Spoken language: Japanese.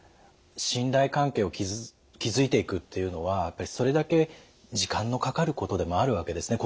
信頼関係を築いていくっていうのはやっぱりそれだけ時間のかかることでもあるわけですね。